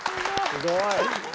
すごい。